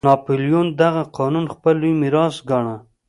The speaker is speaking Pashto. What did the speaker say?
ناپلیون دغه قانون خپل لوی میراث ګاڼه.